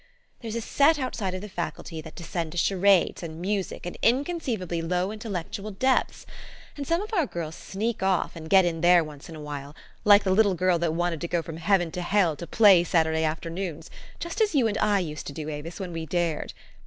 There's a set outside of the Faculty that descend to charades and music and inconceiva bly low intellectual depths ; and some of our girls sneak off, and get in there once in a while, like the little girl that wanted to go from heaven to hell to play Saturday afternoons, just as you and I used to do, Avis, when we dared.